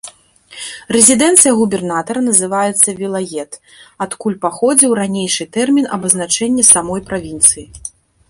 Рэзідэнцыя губернатара называецца вілает, адкуль паходзіў ранейшы тэрмін абазначэння самой правінцыі.